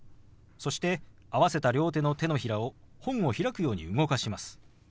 そして合わせた両手の手のひらを本を開くように動かします。